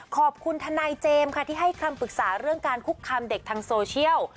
ทนายเจมส์ค่ะที่ให้คำปรึกษาเรื่องการคุกคามเด็กทางโซเชียล